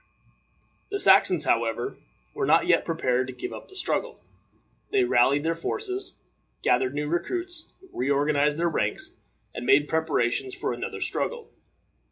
The Saxons, however, were not yet prepared to give up the struggle. They rallied their forces, gathered new recruits, reorganized their ranks, and made preparations for another struggle.